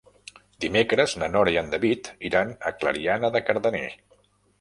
Dimecres na Nora i en David iran a Clariana de Cardener.